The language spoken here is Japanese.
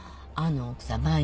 あの奥さん